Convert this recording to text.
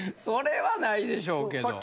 それはないでしょうけど。